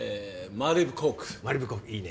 マリブコークいいね。